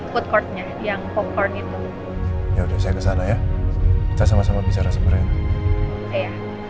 footcourtnya yang pokoknya itu ya udah saya kesana ya sama sama bicara sebenarnya